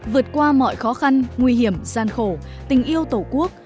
vượt qua mọi khó khăn nguy hiểm gian khổ tình yêu tổ quốc